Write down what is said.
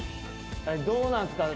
あれどうなんですか？